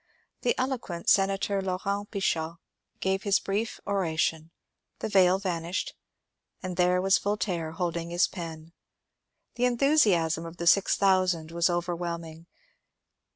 The elo quent Senator Laurent Pichat gave his brief oration, the veil vanished, and there was Voltaire holding his pen. The en thusiasm of the six thousand was overwhelming.